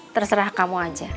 terserah kamu aja